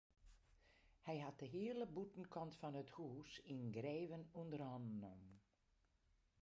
Hy hat de hiele bûtenkant fan it hús yngreven ûnder hannen nommen.